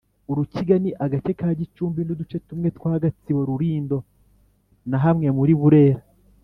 Urukiga Ni agace ka Gicumbi n’uduce tumwe twa Gatsibo, Rulindo na hamwe muri Burera